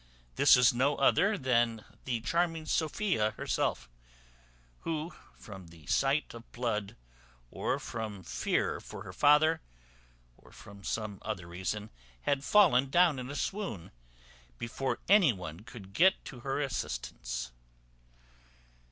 This was no other than the charming Sophia herself, who, from the sight of blood, or from fear for her father, or from some other reason, had fallen down in a swoon, before any one could get to her assistance.